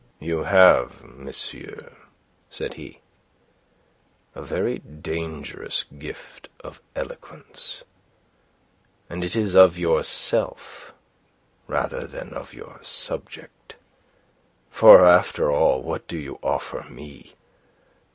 "You have, monsieur," said he, "a very dangerous gift of eloquence. And it is of yourself rather than of your subject. For after all, what do you offer me?